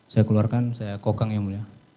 saya keluarkan saya kokang yang mulia